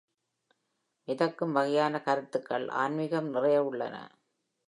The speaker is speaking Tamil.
மிதக்கும் வகையான கருத்துக்கள்-ஆன்மீகம் நிறைய உள்ளன.